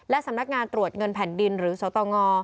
สำนักงานตรวจเงินแผ่นดินหรือสตง